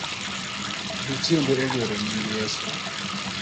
Jochiende oluoro nying Yeso